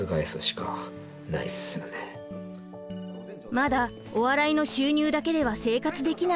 まだお笑いの収入だけでは生活できない現実。